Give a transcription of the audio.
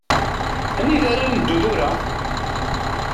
Anida ara neddu tura?